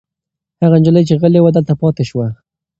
هغه نجلۍ چې غلې وه دلته پاتې شوه.